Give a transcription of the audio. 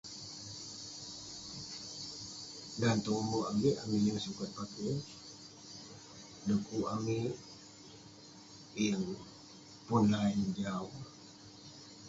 Dan tong umek amik, amik yeng sujat pake. Dukuk amik yeng pun laen jau.